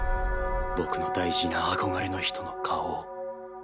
僕の大事な憧れの人の顔を。